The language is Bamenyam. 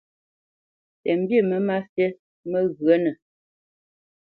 Tə mbî mə́ má fít məghyənə.